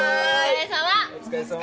お疲れさま！